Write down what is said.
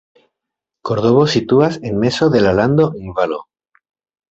Kordobo situas en mezo de la lando en valo.